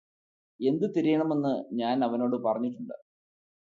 എന്ത് തിരയണമെന്ന് ഞാനവനോട് പറഞ്ഞിട്ടുണ്ട്